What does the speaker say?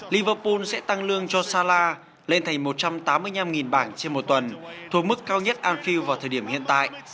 liverpool sẽ tăng lương cho salah lên thành một trăm tám mươi năm bảng trên một tuần thuộc mức cao nhất anfield vào thời điểm hiện tại